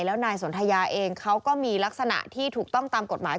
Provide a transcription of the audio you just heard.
แล้วนายสนทยาเองเขาก็มีลักษณะที่ถูกต้องตามกฎหมาย